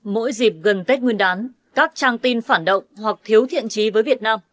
mỗi dịp gần tết nguyên đán các trang tin phản động hoặc thiếu thiện trí với việt nam